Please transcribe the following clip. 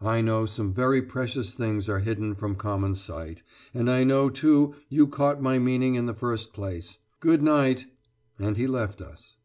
"I know some very precious things are hidden from common sight; and I know, too, you caught my meaning in the first place. Good night!" and he left us.